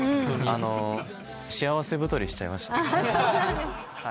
幸せ太りしちゃいました。